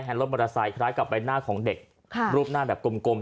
รถมอเตอร์ไซค์คล้ายกับใบหน้าของเด็กรูปหน้าแบบกลม